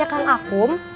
seeover gini nggak